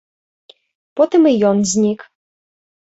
Потым і ён знік.